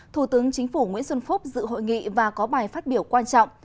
thủ tướng chính phủ nguyễn xuân phúc dự hội nghị và có bài phát biểu quan trọng